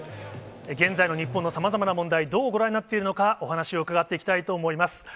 現在の日本のさまざまな問題、どうご覧になっているのか、お話を伺っていきたいと思います。